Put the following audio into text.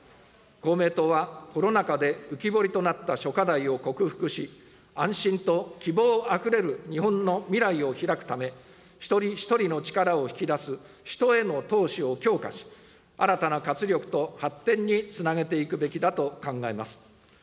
公明党は、コロナ禍で浮き彫りとなった諸課題を克服し、安心と希望あふれる日本の未来をひらくため、一人一人の力を引き出す、人への投資を強化し、新たな活力と発展につなげていくべきだと考えます。